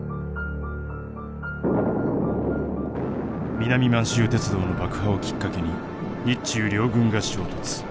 南満州鉄道の爆破をきっかけに日中両軍が衝突。